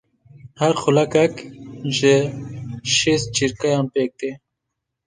Her xulekek ji şêst çirkeyan pêk tê.